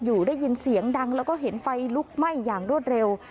อยู่ได้ยินเสียงดังแล้วก็เห็นไฟลุกไหม้อย่างรวดเร็ว